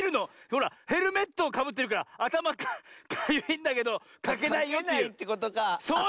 ほらヘルメットをかぶってるからあたまかゆいんだけどかけないよっていう。